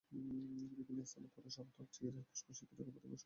বিভিন্ন স্থানে ফোড়াসহ ত্বক, গিরা, ফুসফুস ইত্যাদি অঙ্গপ্রত্যঙ্গে সংক্রমণ হতে পারে।